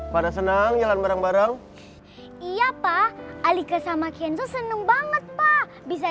pada senang jalan bareng bareng iya pak alika sama kenso senang banget pak bisa